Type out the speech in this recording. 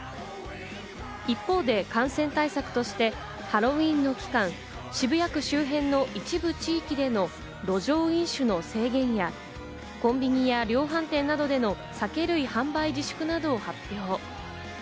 一方で感染対策としてハロウィーンの期間、渋谷区周辺の一部地域での路上飲酒の制限や、コンビニや量販店などでの酒類販売自粛などを発表。